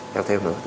theo thêu nữa